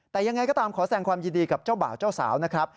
แต่ยังไงก็ตามขอแสงความยินดีกับเจ้าบ่าวเจ้าสาวนะครับ